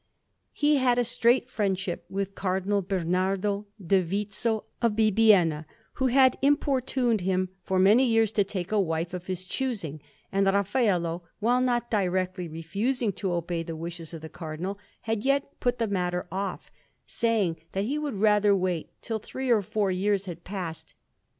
He had a strait friendship with Cardinal Bernardo Divizio of Bibbiena, who had importuned him for many years to take a wife of his choosing; and Raffaello, while not directly refusing to obey the wishes of the Cardinal, had yet put the matter off, saying that he would rather wait till three or four years had passed.